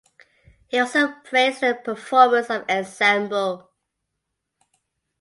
He also praised the performance of ensemble.